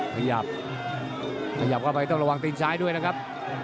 ขยับขยับเข้าไปต้องระวังตีนซ้ายด้วยนะครับ